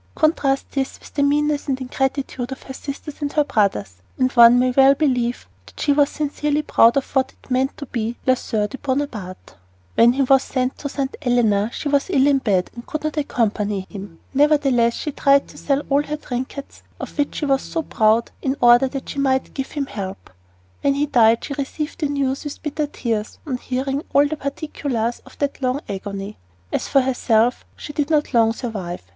Contrast this with the meanness and ingratitude of her sisters and her brothers, and one may well believe that she was sincerely proud of what it meant to be la soeur de Bonaparte. When he was sent to St. Helena she was ill in bed and could not accompany him. Nevertheless, she tried to sell all her trinkets, of which she was so proud, in order that she might give him help. When he died she received the news with bitter tears "on hearing all the particulars of that long agony." As for herself, she did not long survive.